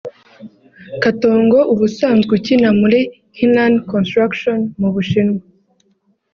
Katongo ubusanzwe ukina muri Henan Construction mu Ubushinwa